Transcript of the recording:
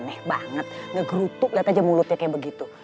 aneh banget ngegrutuk liat aja mulutnya kayak begitu